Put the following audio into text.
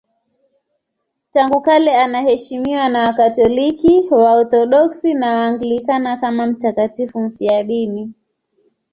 Tangu kale anaheshimiwa na Wakatoliki, Waorthodoksi na Waanglikana kama mtakatifu mfiadini.